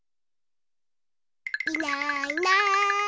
いないいない。